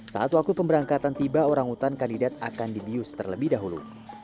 saat waktu pemberangkatan tiba orang utan kandidat akan dibius terlebih dahulu